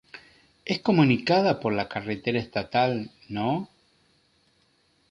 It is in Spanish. Es comunicada por la carretera estatal No.